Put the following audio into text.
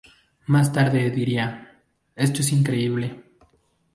Más tarde diría: “Esto es increíble.